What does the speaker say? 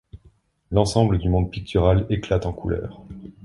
L’ensemble du monde pictural éclate en couleurs.